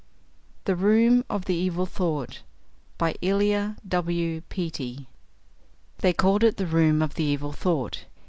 THE ROOM OF THE EVIL THOUGHT THEY called it the room of the Evil Thought.